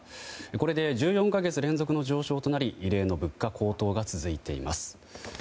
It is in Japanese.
これで１４か月連続の上昇となり異例の物価高騰が続いています。